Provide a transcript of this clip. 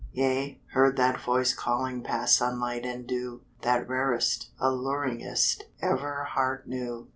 Yea, heard that voice calling Past sunlight and dew, That rarest, alluringest, Ever heart knew.